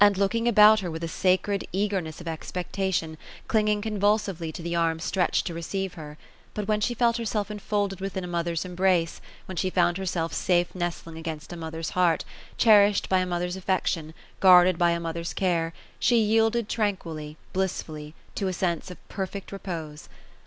225 looking about her with a sacred eageroeSB of expectation, clinging con vulsively to the arm stretched to receive her ; but when she felt herself enfolded ivithin a mother's embrace, when she found herself safe nestling against a mother's heart, cherished by a mother's affection, guarded by a mother's care, she yielded tranquilly, blissfully, to a sense of perfect repose.